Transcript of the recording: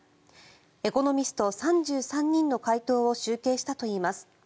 エコノミスト３３人の回答を集計したといいます。